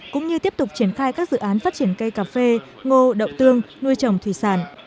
cũng như tiếp tục triển khai các dự án phát triển cây cà phê ngô đậu tương nuôi trồng thủy sản